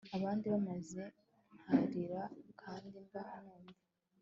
abandi maze nkarira, kandi mba numva